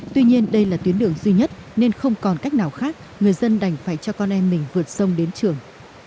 tuy nhiên đây là tuyến đường duy nhất nên không còn cách nào khác người dân đành phải cho con em mình vượt sông đến trường